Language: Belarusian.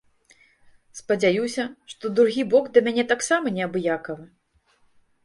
Спадзяюся, што другі бок да мяне таксама неабыякавы.